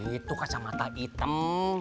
itu kacamata hitam